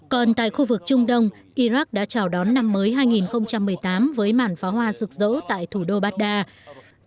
còn tại khu vực trung đông iraq đã chào đón năm mới hai nghìn một mươi tám với màn pháo hoa rực rỡ tại thủ đô baghdad